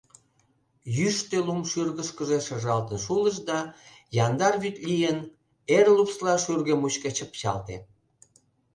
Йӱштӧ лум шӱргышкыжӧ шыжалтын шулыш да, яндар вӱд лийын, эр лупсла шӱргӧ мучко чыпчалте.